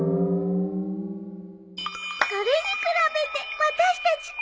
それに比べて私たちって。